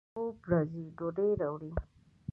خوب راځي ، ډوډۍ راوړه